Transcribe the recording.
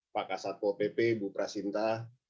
pak kasatwo pp bu prasinta